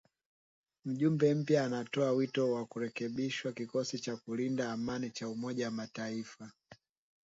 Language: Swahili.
Mjumbe mpya anatoa wito wa kurekebishwa kikosi cha kulinda amani cha umoja wa mataifa